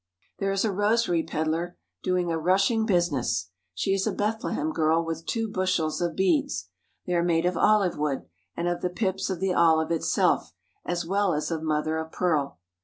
There is a rosary pedlar doing a rushing business. She is a Bethlehem girl with two bushels of beads. They are made of olive wood and of the pips of the olive itself, as well as of mother of pearl.